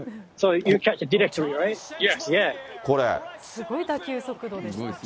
すごい打球速度ですね。